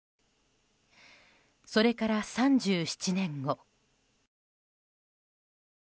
それから３７年後。